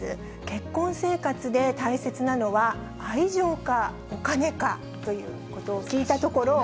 結婚生活で大切なのは、愛情かお金かということを聞いたところ。